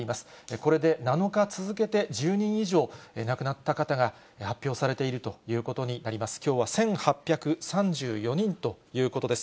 これで７日続けて１０人以上、亡くなった方が発表されているということになります。